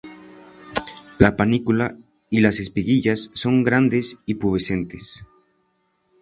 La panícula y las espiguillas son grandes y pubescentes.